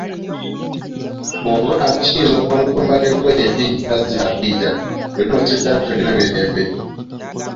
Oba kiyinza okuva ku kwambala engoye embi nga zi "kapiira" wenna n'osigala nga tolina mirembe.